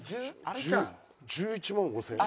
１１万５０００円。